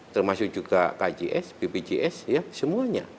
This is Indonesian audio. termasuk juga kjs bpjs ya semuanya